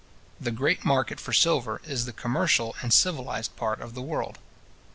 The great market for silver is the commercial and civilized part of the world.